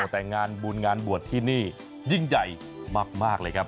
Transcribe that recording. แต่งานบุญงานบวชที่นี่ยิ่งใหญ่มากเลยครับ